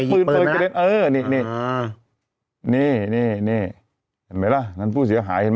รู้ไหมล่ะการพูดเสียหายไหม